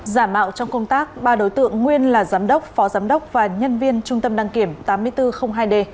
giả mạo trong công tác ba đối tượng nguyên là giám đốc phó giám đốc và nhân viên trung tâm đăng kiểm tám nghìn bốn trăm linh hai d